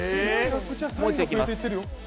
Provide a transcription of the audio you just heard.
もう一度いきます。